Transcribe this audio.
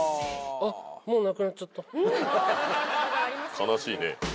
悲しいね。